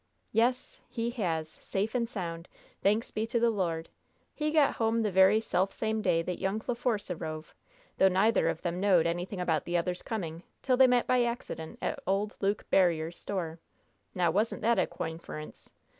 "Yes, he has, safe and sound; thanks be to the Lord! He got home the very selfsame day that young Le Force arrove; though nyther of them knowed anything about the other's coming 'til they met by accident at old Luke Barriere's store. Now, wasn't that a coinference?